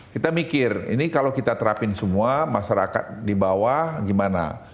kita mikir ini kalau kita terapin semua masyarakat di bawah gimana